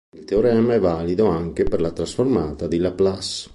Il teorema è valido anche per la trasformata di Laplace.